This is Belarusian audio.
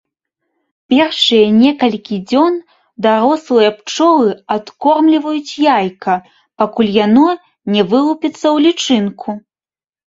Першыя некалькі дзён дарослыя пчолы адкормліваюць яйка, пакуль яно не вылупіцца ў лічынку.